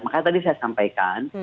makanya tadi saya sampaikan